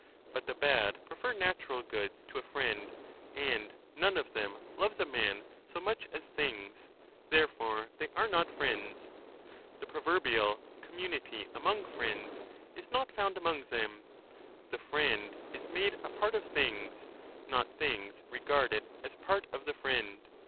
But the bad prefer natural goods to a friend and none of them loves a man so much as things ; therefore they are not friends. The proverbial ' community among friends ' is not found among them ; the friend is made a part of things, not things regarded as part of the friend.